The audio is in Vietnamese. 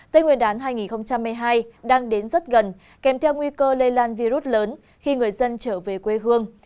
tây nguyên đán hai nghìn hai mươi hai đang đến rất gần kèm theo nguy cơ lây lan virus lớn khi người dân trở về quê hương